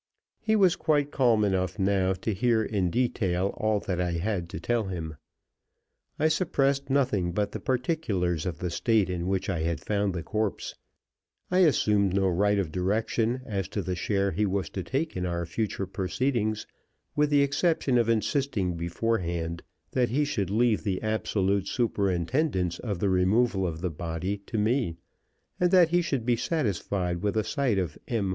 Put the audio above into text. He was quite calm enough now to hear in detail all that I had to tell him. I suppressed nothing but the particulars of the state in which I had found the corpse. I assumed no right of direction as to the share he was to take in our future proceedings, with the exception of insisting beforehand that he should leave the absolute superintendence of the removal of the body to me, and that he should be satisfied with a sight of M.